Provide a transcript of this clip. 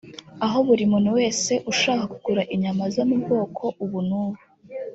aho buri muntu wese ushaka kugura inyama zo mu bwoko ubu n’ubu